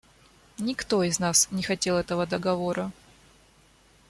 Никто из нас не хотел этого договора.